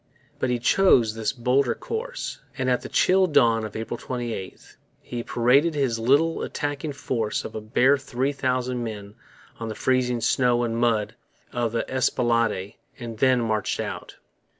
But he chose this bolder course; and at the chill dawn of April 28, he paraded his little attacking force of a bare three thousand men on the freezing snow and mud of the Esplanade and then marched out.